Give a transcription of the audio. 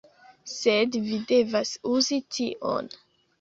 Sed vi devas uzi tion